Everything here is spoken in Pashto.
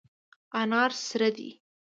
انار سره دي.